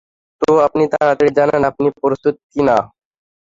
তো, আপনি তাড়াতাড়ি জানান, আপনি প্রস্তুত কি না।